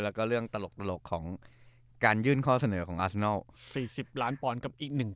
แล้วก็เรื่องตลกของการยื่นข้อเสนอของอาสนอล๔๐ล้านปอนด์กับอีกหนึ่ง